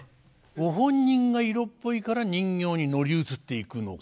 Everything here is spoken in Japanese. ご本人が色っぽいから人形に乗り移っていくのか。